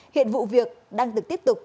hiện vụ việc đang được tiếp tục